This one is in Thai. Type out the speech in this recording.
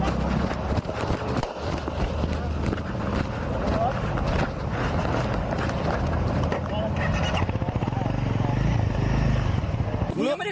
ตำรวจต้องไล่ตามกว่าจะรองรับเหตุได้